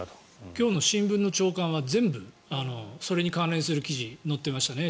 今日の新聞の朝刊は全部それに関連する記事が載っていましたね。